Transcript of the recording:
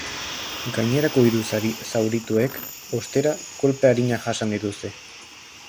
Gainerako hiru zaurituek, ostera, kolpe arinak jasan dituzte.